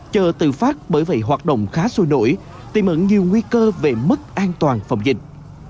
chờ tự phát bởi vậy hoạt động khá sôi nổi tìm ẩn nhiều nguy cơ về mức an toàn phòng dịch